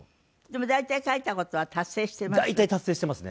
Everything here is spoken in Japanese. でも大体書いた事は達成してます？